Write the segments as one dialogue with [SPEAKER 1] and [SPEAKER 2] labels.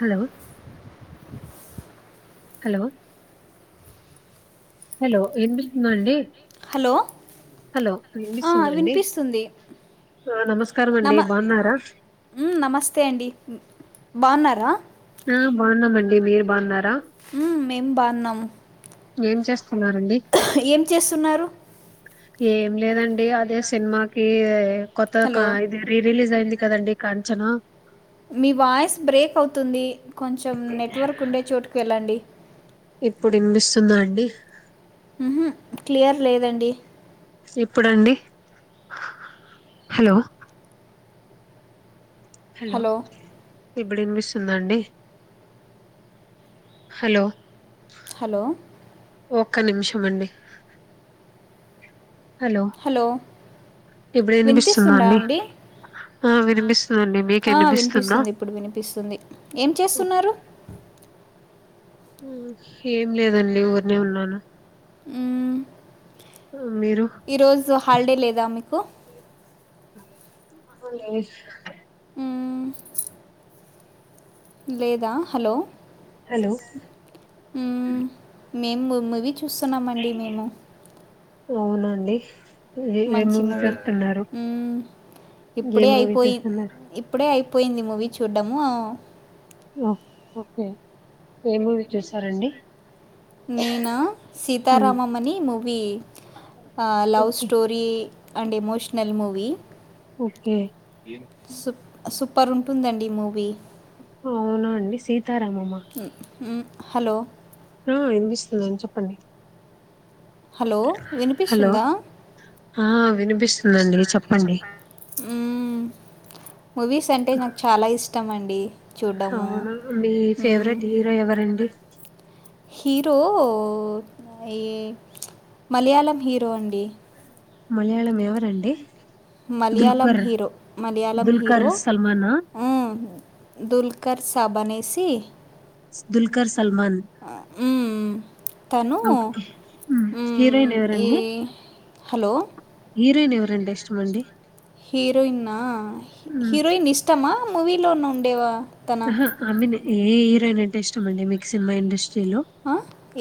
[SPEAKER 1] Hello hello hello విన్పిస్తుంద అండి
[SPEAKER 2] hello
[SPEAKER 1] hello
[SPEAKER 2] ఆ
[SPEAKER 1] వినిపిస్తుందా అండి
[SPEAKER 2] వినిపిస్తుంది
[SPEAKER 1] ఆ నమస్కారం అండి
[SPEAKER 2] నమ
[SPEAKER 1] బాగున్నారా
[SPEAKER 2] మ్మ్ నమస్తే అండి బావున్నారా
[SPEAKER 1] ఆ బాగున్నామండి మీరు బావున్నారా
[SPEAKER 2] మ్మ్ మేం బాన్నాం
[SPEAKER 1] ఏం చేస్తా
[SPEAKER 2] ఏం చేస్తున్నారు
[SPEAKER 1] ఏం లేదండి అదే సినిమాకి కొత్తగా
[SPEAKER 2] హలో
[SPEAKER 1] క ఇది రి రీలీజ్ మొదలు అయింది కదండి కంచను
[SPEAKER 2] మీ వాయిస్ బ్రేక్ అవుతుంది కొంచెం నెట్వర్క్ ఉండే చోటుకి వెళ్ళండి
[SPEAKER 1] ఇప్పుడు వినిపిస్తుందా అండి
[SPEAKER 2] డి
[SPEAKER 1] ఇప్పుడు అండి హలో ఇప్పుడు వినిపిస్తుందా అండి హలో
[SPEAKER 2] హలో
[SPEAKER 1] ఒక్క నిమిషం అండి
[SPEAKER 2] హలో వినిపిస్తుందా అండి.
[SPEAKER 1] ఆ వినిపిస్తుందండి మీకు
[SPEAKER 2] ఆ
[SPEAKER 1] వినిపిస్తుందా
[SPEAKER 2] వినిపిస్తుంది. ఇప్పుడు వినిపిస్తుంది. ఏం చేస్తున్నారు?
[SPEAKER 1] ఆ ఏం లేదండి ఉర్నే ఉన్నాను మీరు
[SPEAKER 2] ఈ రోజు హాలిడే లేదా మి కు
[SPEAKER 1] అ లేదు
[SPEAKER 2] ఉ లేదా హలో
[SPEAKER 1] హలో
[SPEAKER 2] మ్ ఉ మేము ము మువి చు చుస్తున్నామండి మేము
[SPEAKER 1] అవున అండి
[SPEAKER 2] మంచి మూవీ ఉ
[SPEAKER 1] ఏ
[SPEAKER 2] ఇప్పుడే
[SPEAKER 1] మూవీ
[SPEAKER 2] అయిపోయి
[SPEAKER 1] చూస్తున్నారు
[SPEAKER 2] ఇప్పుడే అయి పోయింది మూవీ చూద్దము
[SPEAKER 1] ఓ ఓకే ఏమూవీ చూసారండి.
[SPEAKER 2] నేన
[SPEAKER 1] ఉమ్
[SPEAKER 2] సీతారామంమని movie love
[SPEAKER 1] okay
[SPEAKER 2] story and emotional movie
[SPEAKER 1] okay
[SPEAKER 2] super ఉంటుందండి మూవీ
[SPEAKER 1] అవునా అండి సీతారామమ్ ఆ
[SPEAKER 2] ఉ హలో
[SPEAKER 1] ఆ ఇనిపిస్తుంది చెప్పండి
[SPEAKER 2] హలో
[SPEAKER 1] హలో
[SPEAKER 2] వినిపిస్తుందా
[SPEAKER 1] ఆ వినిపిస్తుందండి చెప్పండి
[SPEAKER 2] ఊమ్ మూవీస్ అంటే నాకు చాలా ఇష్టం అన్ కే
[SPEAKER 1] అవునా మీ ఫేవరెట్ హీరో ఎవరండి
[SPEAKER 2] హీరో ఈ మలయాళం హీరో అండి
[SPEAKER 1] మలయాళం ఎవరండి
[SPEAKER 2] మలయాళం
[SPEAKER 1] దుల్కర్
[SPEAKER 2] హీరో మలయాళం
[SPEAKER 1] దుల్కర్
[SPEAKER 2] హీరో
[SPEAKER 1] సల్మానా
[SPEAKER 2] ఆ దుల్ ఖర్ సబనేసి
[SPEAKER 1] దుల్కర్ సల్మాన్
[SPEAKER 2] తను
[SPEAKER 1] ఓకే హీరోయిన్
[SPEAKER 2] ఈ
[SPEAKER 1] ఎవరండి
[SPEAKER 2] హలో
[SPEAKER 1] హీరోయిన్ ఎవరండి.
[SPEAKER 2] హీరోయిన్ నా ఆ
[SPEAKER 1] అండి
[SPEAKER 2] హీరోయిన్ ఇష్టమా, మూవీలో న ఉండేవా తనా
[SPEAKER 1] ఎపుడైనా ఇంటరెస్ట్ ఉందా అండి మీకు సినిమా ఇండష్ట్రీ
[SPEAKER 2] ఆ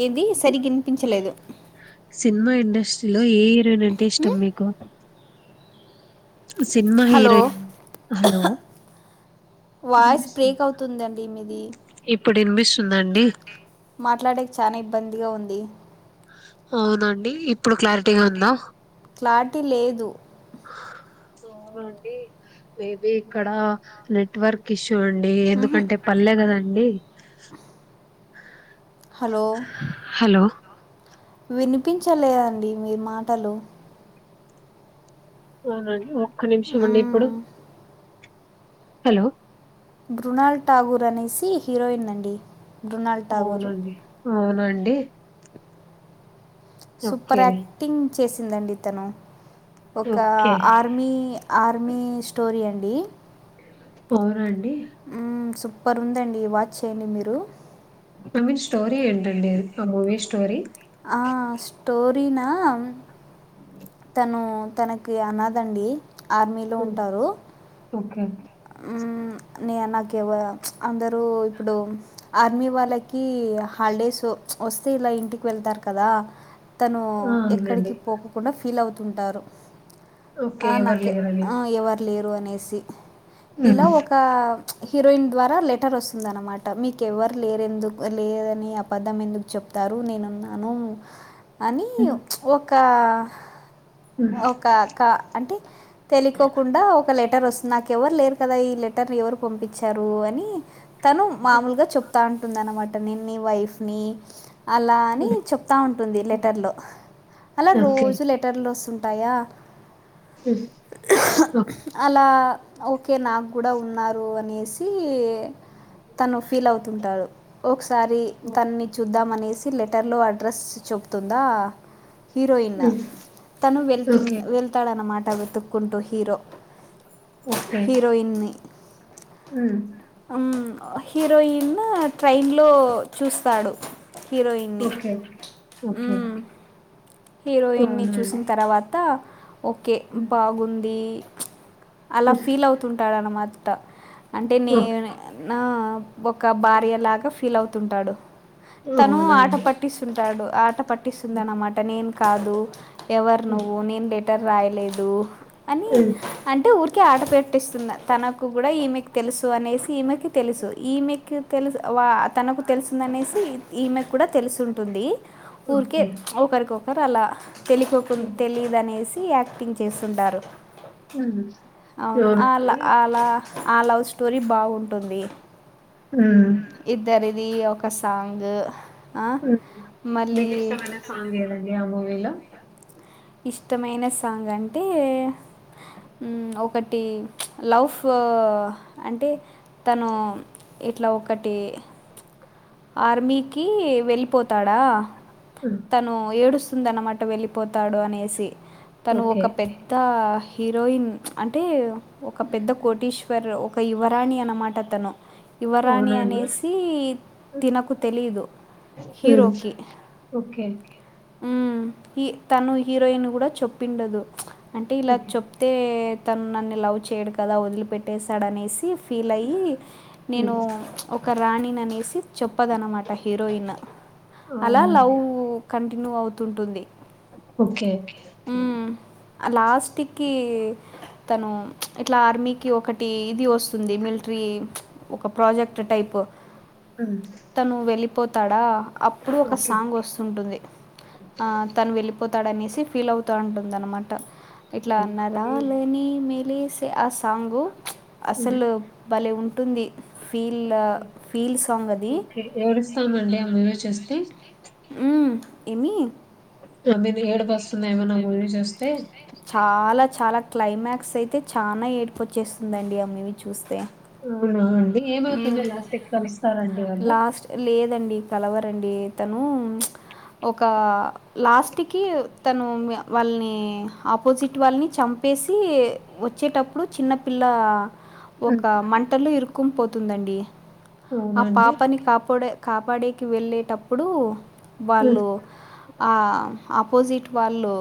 [SPEAKER 2] ఎంది సరిగ వినిపించలేదు.
[SPEAKER 1] సినిమా ఇండస్ట్రీలో ఏద్ నేనంటే ఇష్టమ
[SPEAKER 2] ఉమ్,
[SPEAKER 1] మీకు. సినిమా
[SPEAKER 2] హలో
[SPEAKER 1] హీరోయిన్ హలో ఎప్
[SPEAKER 2] వాయిస్ బ్రేక్
[SPEAKER 1] ఇప్పుడే మెస్
[SPEAKER 2] మాట్లాడేది చానయింద్. ఇబ్బందిగా ఉంది.
[SPEAKER 1] అవునండి ఇ ఇప్పుడు క్లారిటీగా ఉందా.
[SPEAKER 2] క్లారిటీ లేదు క్ల
[SPEAKER 1] అవునండి మేబి ఇక్కడ నెట్వర్క్ ఇష్యు. చూడండి, ఎందుకంటే పల్లె కదండి. హలో
[SPEAKER 2] వినిపించలేదండీ మీ మాటలు
[SPEAKER 1] అవునండి ఒ ఒక్క నిమిషం అండి ఇప్పుడు.
[SPEAKER 2] మ్మ్.
[SPEAKER 1] హలో
[SPEAKER 2] మ్రునాల్ ఠాకూర్ అనేసి హీరోయిన్ అండి. మ్రునాల్ టాగూర్.
[SPEAKER 1] అవునా అండి.
[SPEAKER 2] సుపర్ ఆక్టింగ్ చేసిందండి ఇతను. ఒక
[SPEAKER 1] ఓకే.
[SPEAKER 2] ఆర్మీ ఆర్మీ స్టోరీ అండి ఈ
[SPEAKER 1] అవునా అండి
[SPEAKER 2] సుపర్ ఉందండి. వాచ్ చేయండి మీరు.
[SPEAKER 1] ఐ మీన్ స్టోరీ ఏంటండి అది ఆ మూవీ స్టోరీ.
[SPEAKER 2] ఆ స్టోరీనా మ్ ను తనకి అనాద అండి. ఆర్మీలో
[SPEAKER 1] హ్మ్.
[SPEAKER 2] ఉంటారు.
[SPEAKER 1] ఓకే.
[SPEAKER 2] ఊ నే నాకెవ అందరూ ఇప్పుడు ఆర్మీ వాళ్ళకి హాలిడేస్ వస్తే ఇలా ఇంటికి వెళ్తారు కదా తను
[SPEAKER 1] ఆ! అవునండి.
[SPEAKER 2] ఎక్కడికి పోకకుండా ఫీల్ అవుతుంటారు
[SPEAKER 1] ఓకే.
[SPEAKER 2] ఆ
[SPEAKER 1] ఎవరు
[SPEAKER 2] నాక
[SPEAKER 1] లేరని.
[SPEAKER 2] ఆ ఎవరు లేర్ అనేసి
[SPEAKER 1] హ్మ్.
[SPEAKER 2] ఇలా ఒక హీరోయిన్ ద్వారా లెటర్ వస్తుందన్నమాట మీకు ఎవరు లేరెందుకు లేదని అబద్ధం ఎందుకు చెప్తారు నేనున్నాను అని
[SPEAKER 1] హ్మ్.
[SPEAKER 2] ఒక
[SPEAKER 1] హ్మ్.
[SPEAKER 2] ఒక కా అంటే తెలికోకుండా ఒక లె టర్ వాస్ నాకెవర్ లేర్ కదా ఈ లెటర్ని ఎవరు పంపించారు అని తను మామూలుగా చెప్తా ఉంటుంది అనమా నేన్ ని వైఫ్ని అలా అని
[SPEAKER 1] హ్మ్.
[SPEAKER 2] చెప్తా ఉంటుంది
[SPEAKER 1] హ్మ్.
[SPEAKER 2] లెటర్లో అలా
[SPEAKER 1] ఓకే.
[SPEAKER 2] రోజు లెటర్లో వస్తుంటు టయా
[SPEAKER 1] హ్మ్. ఓ
[SPEAKER 2] అలా ఓక్ కే నాకు కూడా ఉన్నారు అనేసి తను ఫీల్ అవుతుంటాడు ఒకసారి
[SPEAKER 1] ఓహ్!
[SPEAKER 2] తన్ని చూద్దామనేసి లెటర్ లో ఆడ డ్రస్ చెపుతుందా హీరోయిన్
[SPEAKER 1] హ్మ్.
[SPEAKER 2] తను వెళ్తు
[SPEAKER 1] ఓకే.
[SPEAKER 2] వెళ్తాడన్నమాట త వెతుకుంటు హీరో
[SPEAKER 1] ఓకే.
[SPEAKER 2] హీరోయిన్ని
[SPEAKER 1] హ్మ్.
[SPEAKER 2] ఉమ్ హీరోయిన్ ట్రైన్లో చూస్తాడు హీరోయిన్ని
[SPEAKER 1] ఓకే. ఓకే.
[SPEAKER 2] ఉమ్ హీరోయిన్ని
[SPEAKER 1] అవునా
[SPEAKER 2] చూసిన
[SPEAKER 1] అండి?
[SPEAKER 2] తర్వాత ఓకే
[SPEAKER 1] హ్మ్.
[SPEAKER 2] బాగుంది అలా
[SPEAKER 1] హ్మ్.
[SPEAKER 2] ఫీల్ అవుతుంటాడు అన్నమా ట అంటే నే
[SPEAKER 1] ఓకే.
[SPEAKER 2] నా ఒక భార్య
[SPEAKER 1] ఓకే.
[SPEAKER 2] లాగా ఫీల్ అవు తుంటాడు తను
[SPEAKER 1] అవునా
[SPEAKER 2] ఆట
[SPEAKER 1] అండి?
[SPEAKER 2] పట్టిస్తుంటాడు ఆట
[SPEAKER 1] హ్మ్.
[SPEAKER 2] పట్టిస్తుందనమాట ఏం కాదు ఎవరు
[SPEAKER 1] హ్మ్. హ్మ్.
[SPEAKER 2] నువ్వు నేను లెటర్ రాయలేదు అని
[SPEAKER 1] హ్మ్.
[SPEAKER 2] అంటే ఊర్ కి ఆట పెట్టిస్తుంది తనకు గుడ ఈమెకు తెలుసు అనేసి ఈమెకి తెలుసు ఈమెకి తెలుసు వా తనకు తెలుసిందనేసి ఈమె కూడా తెలుసు ఉంటుంది ఊరికే
[SPEAKER 1] ఓకే.
[SPEAKER 2] ఒకరలా తెలికోకుం
[SPEAKER 1] హ్మ్.
[SPEAKER 2] తెలిదనేసి యాక్టింగ్ చేస్తుంటారు
[SPEAKER 1] హ్మ్.
[SPEAKER 2] అవును అలా
[SPEAKER 1] అవునండి.
[SPEAKER 2] అలా ఆ లవ్ స్టోరీ బాఉంటుంది
[SPEAKER 1] మ్
[SPEAKER 2] ఇది ఒక సాంగ్ ఆ,
[SPEAKER 1] మ్ మీ
[SPEAKER 2] మళ్ళీ
[SPEAKER 1] కష్టమైన సాంగ్ ఏ దియా మూవీలో
[SPEAKER 2] ఇష్టమైన సాంగ్ అంటే మ్ ఒకటి లవ్ఫ్ అంటే తను ఇట్లా ఒకటి ఆర్మీ కీ వెళ్ళిపోతాడా
[SPEAKER 1] హ్మ్.
[SPEAKER 2] తను ఏడుస్తూ ఉందన్నమాట వెళ్లిపోత తాడు అనేసి తను ఒక
[SPEAKER 1] ఓకే.
[SPEAKER 2] పెద్ద హీరోయిన్ అంటే ఒక పెద్ద కోటీశ్వర్ ఓ ఒక యువరాణి అనమాట తను యువరాణి
[SPEAKER 1] అవునా అండి?
[SPEAKER 2] అనేసి తినకు తెలీదు
[SPEAKER 1] హ్మ్.
[SPEAKER 2] హీరోకి
[SPEAKER 1] ఓకే.
[SPEAKER 2] హ్మ్ ఇ తను హీరోయిన్ కూడా చెప్పిండదు అంటే ఇలా
[SPEAKER 1] ఓకే.
[SPEAKER 2] చెప్తే తను నన్ను లవ్ చేయడు కదా వదిలిపెట్టేేశాడనేస్ ఫీల్ అయి నేను
[SPEAKER 1] హ్మ్.
[SPEAKER 2] ఒక రాణినినేసి చెప్పదన్ మాట హీరోయిన్ అలా లవ్
[SPEAKER 1] అవునండి.
[SPEAKER 2] కంట్ రిన్ అవుతుంటుంది.
[SPEAKER 1] ఓకే
[SPEAKER 2] లాస్ట్ కి తను ఇట్లా ఆర్మీ కి ఒక టీ ఇది వస్తుంది మిల్ట్రీ ఒక ప్రాజెక్ట్ టైప్
[SPEAKER 1] హ్మ్.
[SPEAKER 2] తను వెళ్ళిపోత్ అక్కడ అప్పుడు ఒక
[SPEAKER 1] ఓకే.
[SPEAKER 2] సాంగ్ వస్తుంటుంది ఆ తను వెళ్ళి పోతాడనేసి ఫీల్ అవుతా ఉంటుంది అనమాట ఇట్ల
[SPEAKER 1] అవునండి.
[SPEAKER 2] నరాలనీ మెలెసీ తె అస సాంగు అసలు బలే ఉంటుంది. ఫీల్ ఫీల్ సాంగ్ అది
[SPEAKER 1] కే ఏడుస్తామండి ఆ మూవి చేస్తే
[SPEAKER 2] హ్మ్ ఏమి
[SPEAKER 1] తొమ్మిది ఏడుపు వస్తుందేమో నాకు మూవీ చూస్ తే
[SPEAKER 2] చాలా చాలా క్లైమాక్స్ అయితే చానా ఏడ్ప్ వచ్చేస్తుందండి ఆ మివీ చూస్తే. మ్మ్.
[SPEAKER 1] ఏమవుతది లాస్ట్ కి కలుస్తారండి వాళ్ళు.
[SPEAKER 2] లాస్ట్ లేదండి కలవరండి తను ఒక లాస్ ట్ కీ తను వాళ్ని ఏ అపోజిట్ వాళ్ళని చంపేసి వచ్చేటప్పుడు చిన్నపిల్ల ఒక
[SPEAKER 1] హ్మ్.
[SPEAKER 2] మంటల్లో ఇరుక్ క్కున్ పోతుందండి ఆ
[SPEAKER 1] అవునండి.
[SPEAKER 2] పాపని కాపొడే కాపాడేకి వెళ్ళేటప్పుడు
[SPEAKER 1] హ్మ్.
[SPEAKER 2] వాళ్ళు ఆ ఆపోజిట్ వాళ్ళు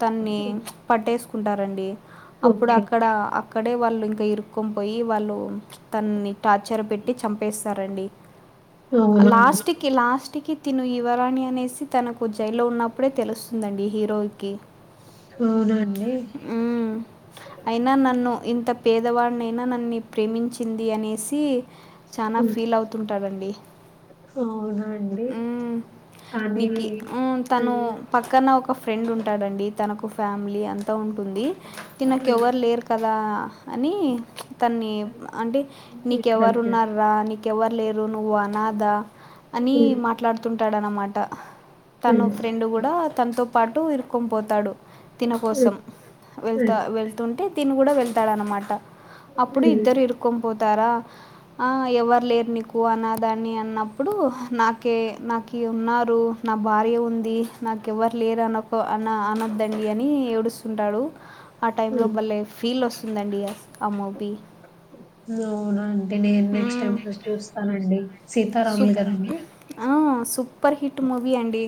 [SPEAKER 2] తన్ని
[SPEAKER 1] హ్మ్.
[SPEAKER 2] పట్టేస్ ఉంటారండి అప్పుడు
[SPEAKER 1] ఓకే.
[SPEAKER 2] అక్కడ అక్కడే వాళ్ ఇంకా ఇరుక్కొ పోయి వాళ్ళు తన్ని టార్చర్ పెట్టి చంపేస్తారండి
[SPEAKER 1] అవునా అండి.
[SPEAKER 2] లాస్ట్ కి లాస్ట్ కి తిను ఇవరాణి అనేసి తనక్ జైల్లో ఉన్నప్పుడే తెలుస్తుందండి హిరోకి
[SPEAKER 1] అవునండి.
[SPEAKER 2] ఉ అయినా నన్ను ఇంత పేదవాడినైనా నన్ని ప్రేమించ్ ది అనేసి చానా
[SPEAKER 1] హ్మ్.
[SPEAKER 2] ఫీల్ అవుతుంటాడండి
[SPEAKER 1] అవునండి.
[SPEAKER 2] ఉ
[SPEAKER 1] కానీ
[SPEAKER 2] నికి ఉ తను
[SPEAKER 1] హ్మ్.
[SPEAKER 2] పక్కన ఒక ఫె ఫ్రెండ్ ఉంటాడండి తనకు ఫ్యామిలీ అంతా ఉంటుంది తినకు
[SPEAKER 1] హ్మ్.
[SPEAKER 2] ఎవరు లేరు కదా అని తన్ని అంటే
[SPEAKER 1] హ్మ్.
[SPEAKER 2] నీకెవరు
[SPEAKER 1] హ్మ్.
[SPEAKER 2] ఉన్నారా నీ ఇంక ఎవరు లేరు నువ్వు అనాథ అని మాట్లాడుతుంట ఉనమాట తను
[SPEAKER 1] హ్మ్.
[SPEAKER 2] ఫ్రెండ్ కూడా తనతో పాటు విరుకుని పోతాడు తిన కోసం
[SPEAKER 1] హ్మ్.
[SPEAKER 2] వెళ్తా
[SPEAKER 1] హ్మ్.
[SPEAKER 2] వెళ్తుంటే తీని కూడా వెళ్తాడన్నమాట అప్పుడు
[SPEAKER 1] హ్మ్.
[SPEAKER 2] ఇద్దరు ఇరుక్ పోతారా అ ఎవరు లేరు నీకు అన్నదాన్ని అన్నప్పుడు నాకే నాకు ఉన్నారు నా భార్య ఉంది నాకెవరు లేరు అనుకో అ అనద్దండి అని ఏడుస్ స్తుంటాడు ఆ టైం లో
[SPEAKER 1] హ్మ్.
[SPEAKER 2] బలే ఫీల్ వస్ దండి ఆ మూవీ
[SPEAKER 1] నోరం అంటే నేను నెక్స్ట్ టైమ్ చూస్తానండి సీతారాములు
[SPEAKER 2] సూప్
[SPEAKER 1] కదండి
[SPEAKER 2] సూపర్ హిట్ మూవీ అండి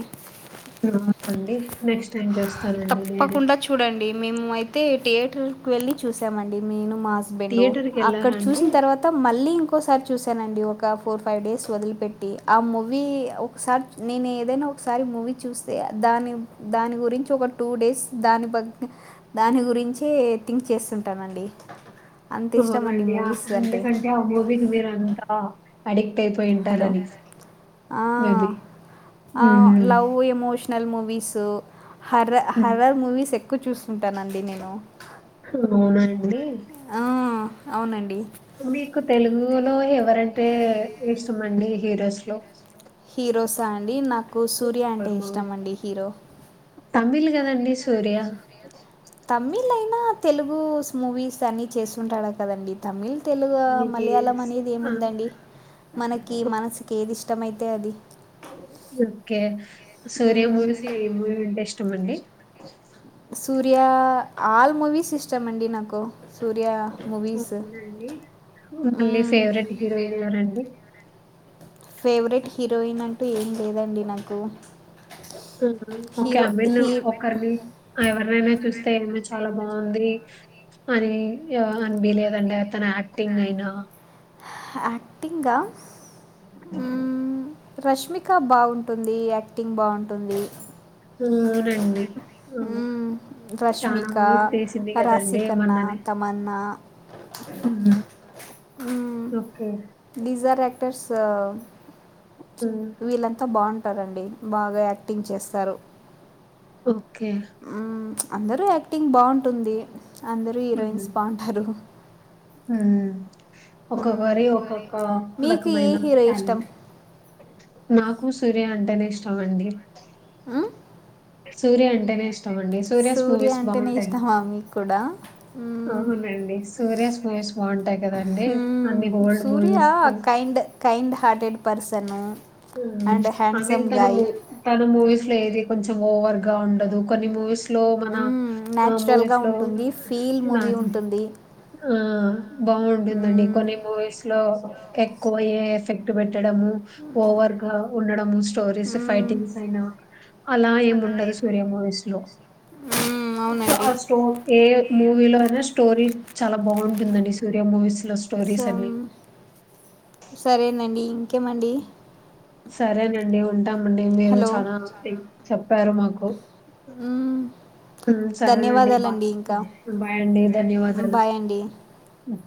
[SPEAKER 1] అవునండి నెక్స్ట్ టైమ్ చూస్తానండి నేను
[SPEAKER 2] తప్పకుండా చూడండి మేము అయితే థియేటర్ కు వెళ్ళి చూసామండి నేను మా హస్బెండ్ అక్కడ
[SPEAKER 1] థియేటర్‌కెళ్లారా అండి?
[SPEAKER 2] చూసిన తర్వాత మళ్ళీ ఇం ఒసారి చూశానండి ఒక ఫోర్ ఫైవ్ డేస్ వదిలిపెట్టి ఆ మూవీ ఒకసారి నేను ఏదైనా ఒకసారి మూవీ చూస్తే దాని దాని గురించి ఒక టూ డేస్ దాని బగ దాని గురించే థింక్ చేస్తుంటానండి అంత ఇష్టం అండి
[SPEAKER 1] అవునండి
[SPEAKER 2] మూవీస్ అంటే
[SPEAKER 1] ఎందుకంటే అ మూవీ ని మీరంతా అడే ట్
[SPEAKER 2] హలో
[SPEAKER 1] అపోయింటారని మేబి హు
[SPEAKER 2] నల్ మూవీసు హర్ర హర్రర్ మూవీస్ ఎక్కువ చూస ఉంటానండి నేను
[SPEAKER 1] అవునండి
[SPEAKER 2] ఆ అవునండి
[SPEAKER 1] మీకు తెలుగులో వరంటే ఈస్ట్ మండి హీరోస్ లో
[SPEAKER 2] హీరోసా అండి నక్ నాకు సూర్య అంటే
[SPEAKER 1] ఎవరి
[SPEAKER 2] ఇష్టం అండి హీరో
[SPEAKER 1] కదండి సూర్య
[SPEAKER 2] తమిళ అయినా తెలుగు మూవీస్ అన్ని చేస్తుంటాడుకదండి తమిళ్ తెలుగు
[SPEAKER 1] మీకి
[SPEAKER 2] మలయాళం
[SPEAKER 1] స్
[SPEAKER 2] అనేది
[SPEAKER 1] ఆ!
[SPEAKER 2] ఏముందండి మనకి మనసుకి ఏది ఇష్ ఇష్టమైతే అది
[SPEAKER 1] ఓకే సూర్యా
[SPEAKER 2] మ్మ్,
[SPEAKER 1] మూవీస్లో ఏ మూవి అంటే ఇష్టం ఇష్టమండి
[SPEAKER 2] సూర్య ఆల్ మూవీస్ ఇష్టం అండి నాకు సూర్య మూవీస్
[SPEAKER 1] అవునండి మళ్ళీ
[SPEAKER 2] మ్మ్,
[SPEAKER 1] ఫేవరెట్ హీరోయిన్ ఎవరండి
[SPEAKER 2] ఫేవరెట్ హీరోయిన్ అంటూ ఏం లేదండి నాకు
[SPEAKER 1] okay I
[SPEAKER 2] hero
[SPEAKER 1] mean
[SPEAKER 2] he
[SPEAKER 1] ఒకరిని ఎవరినైనా చూస్ తే ఈమె చాలా బాగుంది అని అనిపియలేదా అతని యాక్టింగ్ అయినా
[SPEAKER 2] అక్టింగ్గా ఊ రష్మిక బాగుంటుంది యాక్టింగ్ బాగుంటుంది
[SPEAKER 1] అవునండి
[SPEAKER 2] మ్మ్,
[SPEAKER 1] చానా
[SPEAKER 2] రష్మిక
[SPEAKER 1] మూవీస్ తీసింది కదండి
[SPEAKER 2] రాశికన్న
[SPEAKER 1] మొన్ననే
[SPEAKER 2] మ్
[SPEAKER 1] ఓకే.
[SPEAKER 2] దిసార్ యాక్టర్స్
[SPEAKER 1] హ్మ్.
[SPEAKER 2] వీళ్లంతా బాగు టరండి బాగా యాక్టింగ్ చేస్తారు
[SPEAKER 1] ఓకే
[SPEAKER 2] మ్మ్, అందరూ యాక్టింగ్ బాగుంటుంది అందరూ హీరోయిన్స్
[SPEAKER 1] హ్మ్.
[SPEAKER 2] బాగుంటారు
[SPEAKER 1] హ్మ్.
[SPEAKER 2] మ్మ్,
[SPEAKER 1] ఒక్కొక్కరి ఒక్కొక్క
[SPEAKER 2] మీకు ఏ
[SPEAKER 1] రకమైన
[SPEAKER 2] హీరో ఇష్టం
[SPEAKER 1] టాలెంట్ నాకు సూర్య అంటేనే ఇష్టం అండి
[SPEAKER 2] మ్మ్?
[SPEAKER 1] సూర్య అంటేనే ఇష్ట
[SPEAKER 2] సూర్య అంటే న ఇష్టమా మీకు కూడా
[SPEAKER 1] సూర్యస్ మూవీస్ బావుంటాయి కదండీ!
[SPEAKER 2] మ్
[SPEAKER 1] అన్ని old
[SPEAKER 2] Surya
[SPEAKER 1] movies.
[SPEAKER 2] Kind kind hearted person
[SPEAKER 1] I mean తను మూ తను మూవీస్ లో ఏది కొంచెం ఓవర్ గా ఉండదు కొన్ని మూవీస్ లో మన ఆ
[SPEAKER 2] న్యాచురల్గా
[SPEAKER 1] మూవీస్ లో
[SPEAKER 2] ఉంటుంది ఫీల్
[SPEAKER 1] నా
[SPEAKER 2] మూవీ ఉంటుంది
[SPEAKER 1] ఆ బాగుంటుందండి
[SPEAKER 2] హ్మ్.
[SPEAKER 1] కొన్ని మూవీస్ లో ఎక్కువ ఏ ఎఫెక్ట్ పేట్టడము ఓవర్ గా ఉండడము స్టోరీస్
[SPEAKER 2] హ్మ్.
[SPEAKER 1] ఫైటింగ్స్ అయినా అలా ఏం ఉండదు సూర్య మూవీస్ లో
[SPEAKER 2] హ్మ్,
[SPEAKER 1] బా
[SPEAKER 2] అవునండి
[SPEAKER 1] స్టో ఏ మూవీలో అయినా స్టోరీ చాలా బాగుంటుందండి సూర్య మూవీస్
[SPEAKER 2] సము సరేనండి ఇంకేమండి
[SPEAKER 1] సరేనండి ఉం ఉంటామండి మీరు
[SPEAKER 2] హలో
[SPEAKER 1] చాల చెప్పారు మాకు
[SPEAKER 2] హ్మ్.
[SPEAKER 1] ఊ సరేనండి బా
[SPEAKER 2] ధన్యవాదాలండి ఇంకా
[SPEAKER 1] బాయ్ అండి ధన్యవాదాలు
[SPEAKER 2] బాయ్ అండి
[SPEAKER 1] ఉ